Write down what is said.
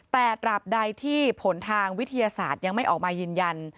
แต่ตราบใดที่ผลทางวิทยาศาสตร์ยังไม่ออกมายืนยัน